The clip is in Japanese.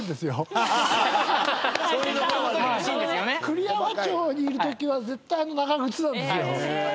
栗山町にいるときは絶対あの長靴なんですよ。